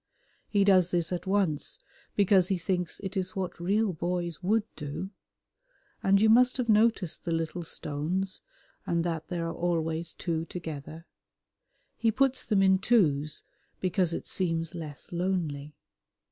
He does this at once because he thinks it is what real boys would do, and you must have noticed the little stones and that there are always two together. He puts them in twos because it seems less lonely.